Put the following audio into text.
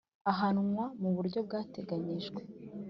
ahanwa mu buryo bwateganyijwe